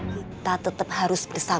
kita tetap harus bersama